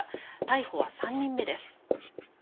逮捕は３人目です。